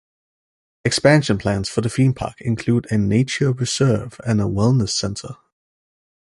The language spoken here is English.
Expansion plans for the theme park include a nature reserve and a wellness center.